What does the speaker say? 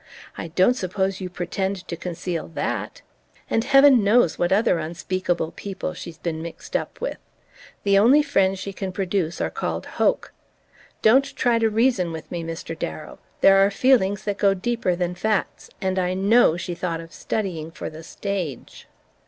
I don't suppose you pretend to conceal THAT? And heaven knows what other unspeakable people she's been mixed up with. The only friends she can produce are called Hoke...Don't try to reason with me, Mr. Darrow. There are feelings that go deeper than facts...And I KNOW she thought of studying for the stage..."